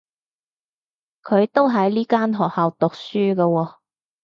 佢都喺呢間學校讀書㗎喎